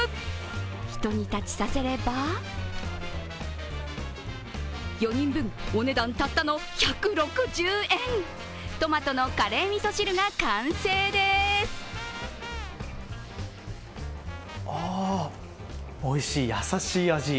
ひと煮立ちさせれば、４人分お値段たったの１６０円、トマトのカレーみそ汁が完成ですあ、おいしい、優しい味。